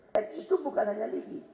dan itu bukan hanya living